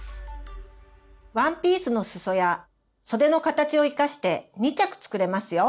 ワンピースのすそや袖の形を生かして２着作れますよ。